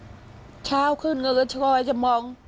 แต่มันถือปืนมันไม่รู้นะแต่ตอนหลังมันจะยิงอะไรหรือเปล่าเราก็ไม่รู้นะ